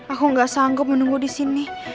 aku gak sanggup menunggu di sini